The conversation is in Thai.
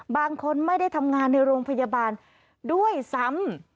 บางคนไม่ได้ทำงานในโรงพยาบาลด้วยซ้ำ